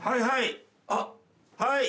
はい。